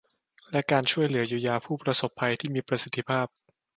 และการช่วยเหลือเยียวยาผู้ประสบภัยที่มีประสิทธิภาพ